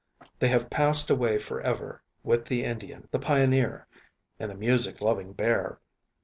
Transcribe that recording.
They have passed away forever with the Indian, the pioneer, and the music loving bear.